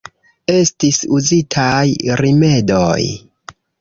Estis uzitaj rimedoj.